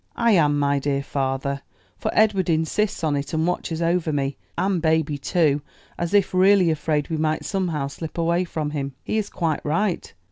"I am, my dear father, for Edward insists on it, and watches over me, and baby too, as if really afraid we might somehow slip away from him." "He is quite right.